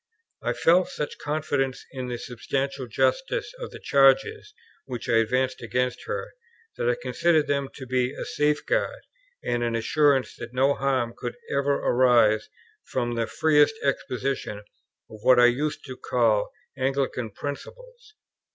I felt such confidence in the substantial justice of the charges which I advanced against her, that I considered them to be a safeguard and an assurance that no harm could ever arise from the freest exposition of what I used to call Anglican principles.